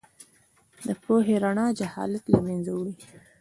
د پوهې رڼا جهالت له منځه وړي.